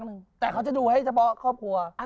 กำลังโดนผู้หญิงหรอกแม่